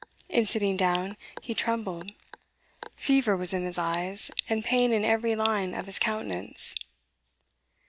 In sitting down, he trembled; fever was in his eyes, and pain in every line of his countenance.